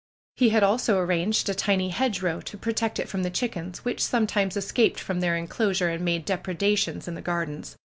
He had also arranged a tiny hedge row to protect it from the chickens, which sometimes escaped from their inclosure and made depredations in the gardens.